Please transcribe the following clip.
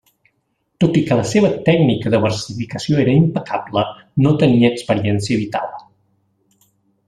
Tot i que la seva tècnica de versificació era impecable, no tenia experiència vital.